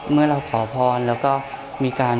เมื่อเราขอพรแล้วก็มีการ